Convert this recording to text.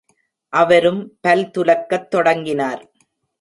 அவரும் பல் துலக்கத் தொடங்கினார்.